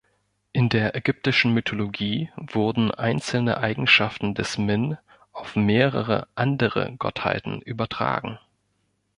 In der ägyptischen Mythologie wurden einzelne Eigenschaften des Min auf mehrere andere Gottheiten übertragen.